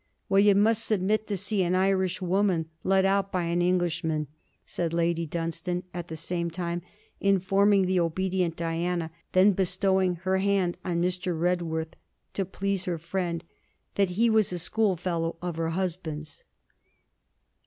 'Well, you must submit to see an Irish woman led out by an English man,' said Lady Dunstane, at the same time informing the obedient Diana, then bestowing her hand on Mr. Redworth to please her friend, that he was a schoolfellow of her husband's.